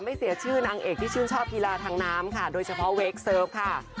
เสียชื่อนางเอกที่ชื่นชอบกีฬาทางน้ำค่ะโดยเฉพาะเวคเซิร์ฟค่ะ